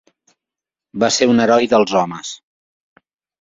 Va ser un heroi dels homes.